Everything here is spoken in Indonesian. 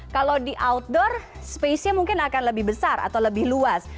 kalau di outdoor space nya mungkin akan lebih besar atau lebih luas